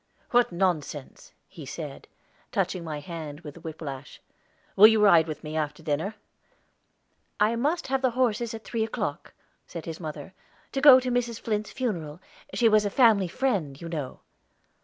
"What nonsense!" he said, touching my hand with the whiplash. "Will you ride with me after dinner?" "I must have the horses at three o'clock," said his mother, "to go to Mrs. Flint's funeral. She was a family friend, you know."